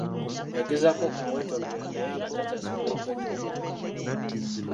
Yagezaako okumwetondera naye nga takyasobola kwetondera mulambo.